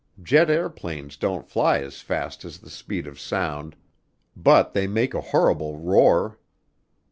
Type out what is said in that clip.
Jet airplanes don't fly as fast as the speed of sound but they make a horrible roar.